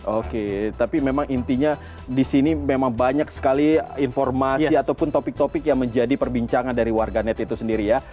oke tapi memang intinya disini memang banyak sekali informasi ataupun topik topik yang menjadi perbincangan dari warga net itu sendiri ya